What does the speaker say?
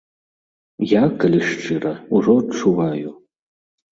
Я, калі шчыра, ужо адчуваю.